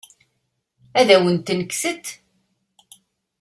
Ad awen-ten-kksent?